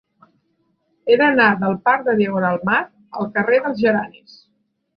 He d'anar del parc de Diagonal Mar al carrer dels Geranis.